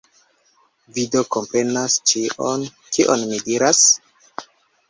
Vi do komprenas ĉion, kion mi diras?